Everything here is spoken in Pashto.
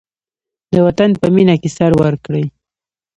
د وطن په مینه کې سر ورکړئ.